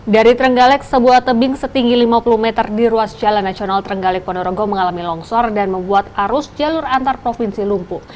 dari trenggalek sebuah tebing setinggi lima puluh meter di ruas jalan nasional trenggalek ponorogo mengalami longsor dan membuat arus jalur antar provinsi lumpuh